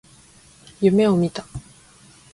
夢を見た。